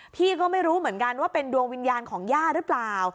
พี่ก็ไม่รู้เหมือนกันว่าเป็นดวงวิญญาณของย่าหรือเปล่า